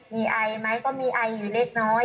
มีไอไหมก็มีไออยู่เล็กน้อย